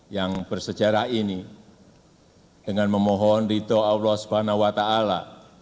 yang bersejarah ini dengan memohon ridho aulos banawata'ala